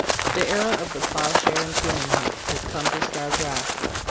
The era of the "plowshare and pruning hook" has come to Starved Rock.